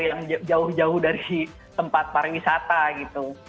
yang jauh jauh dari tempat pariwisata gitu